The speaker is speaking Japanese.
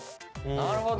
なるほど。